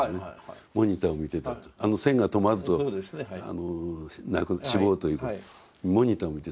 あの線が止まると死亡ということでモニターを見てたと。